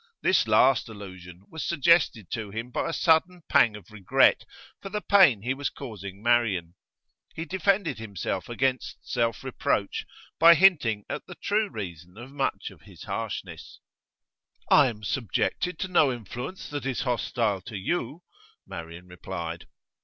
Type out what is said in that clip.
This last allusion was suggested to him by a sudden pang of regret for the pain he was causing Marian; he defended himself against self reproach by hinting at the true reason of much of his harshness. 'I am subjected to no influence that is hostile to you,' Marian replied.